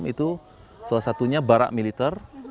itu salah satunya barak militer